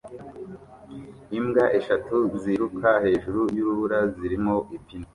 Imbwa eshatu ziruka hejuru yurubura zirimo ipine